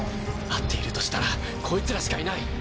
会っているとしたらこいつらしかいない。